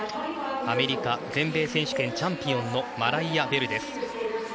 アメリカ全米選手権チャンピオンのマライア・ベルです。